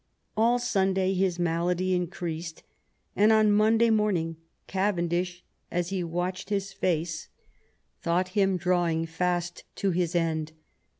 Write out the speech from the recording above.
All Sunday his malady increased, and on Monday morning Cavendish, as he watched his face, thought 204 THOMAS WOLSEY chap. him drawing fast to his end.